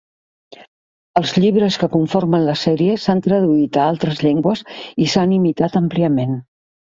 Els llibres que conformen la sèrie s'han traduït a altres llengües i s'han imitat àmpliament.